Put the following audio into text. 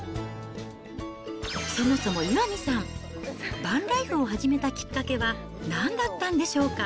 そもそも岩見さん、バンライフを始めたきっかけは、なんだったんでしょうか。